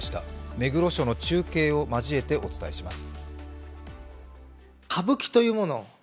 目黒署の中継を交えてお伝えします。